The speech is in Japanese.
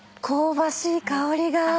香ばしい香りが。